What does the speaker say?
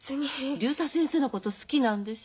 竜太先生のこと好きなんでしょ？